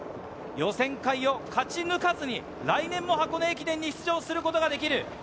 予選会を勝ち抜かずに来年も箱根駅伝に出場することができる。